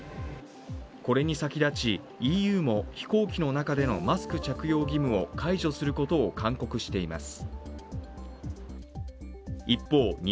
これに先立ちＥＵも、飛行機の中でのマスク着用義務を解除することを勧告しています。